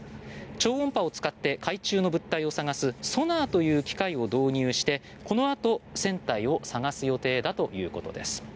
超音波を使って海中の物体を探すソナーという機械を導入してこのあと、船体を探す予定だということです。